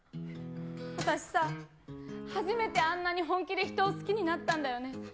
私さ、初めてあんなに本気で人を好きになったんだよね。